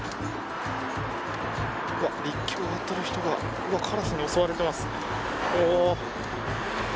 陸橋を渡っている人が今、カラスに襲われています。